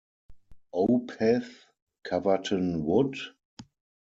Opeth coverten "Would?